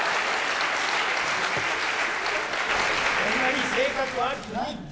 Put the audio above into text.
そんなに性格悪くないって。